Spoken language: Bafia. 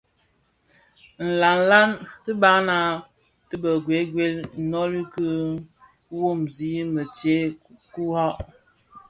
Nlanlan tibaňa ti bë wewel inoli ki womzi më ntsee kurak.